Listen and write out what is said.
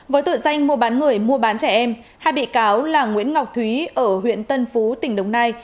với tội danh mua bán người mua bán trẻ em hai bị cáo là nguyễn ngọc thúy ở huyện tân phú tỉnh đồng nai